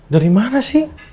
dari mana sih